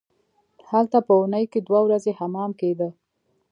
هلته په اونۍ کې دوه ورځې حمام کیده.